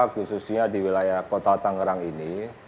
khususnya di wilayah kota tangerang ini